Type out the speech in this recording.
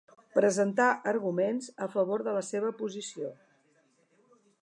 Presentà arguments a favor de la seva posició.